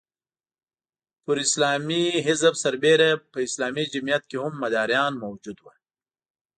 پر اسلامي حزب برسېره په اسلامي جمعیت کې هم مداریان موجود وو.